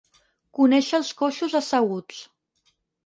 Conèixer els coixos asseguts.